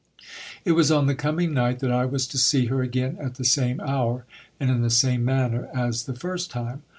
It was on the coming night that I was to see her again at the same hour and in the same manner as the first time.